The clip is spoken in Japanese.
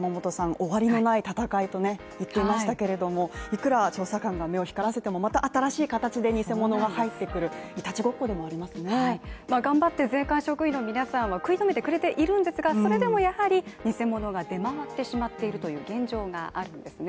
幾ら調査官が目を光らせてもまた新しい形で偽物が入ってくるイタチごっこでもありますね頑張って税関職員の皆さんは食い止めてくれているんですがそれでもやはり偽物が出回ってしまっているという現状があるんですね。